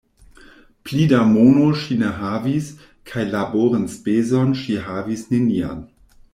Pli da mono ŝi ne havis, kaj laborenspezon ŝi havis nenian.